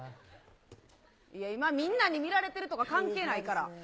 いや、今みんなに見られてるとか関係ないから。